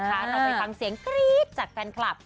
เราไปฟังเสียงกรี๊ดจากแฟนคลับ